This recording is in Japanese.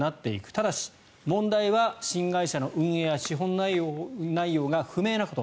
ただし、問題は新会社の運営や資本内容が不明なこと。